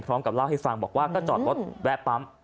พร้อมกับเล่าให้ฟังบอกว่าก็จอดรถแวะปั๊ม